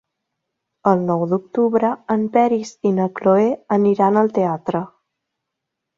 El nou d'octubre en Peris i na Cloè aniran al teatre.